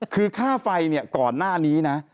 คือค่าไฟก่อนหน้านี้นะ